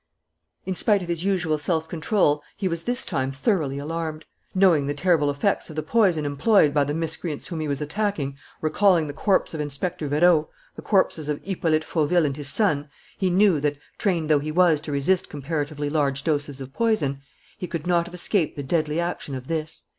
In spite of his usual self control, he was this time thoroughly alarmed. Knowing the terrible effects of the poison employed by the miscreants whom he was attacking, recalling the corpse of Inspector Vérot, the corpses of Hippolyte Fauville and his son, he knew that, trained though he was to resist comparatively large doses of poison, he could not have escaped the deadly action of this.